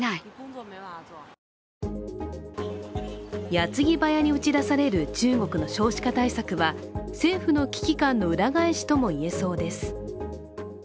矢継ぎ早に打ち出される中国の少子化対策は政府の危機感の裏返しともいえそうです。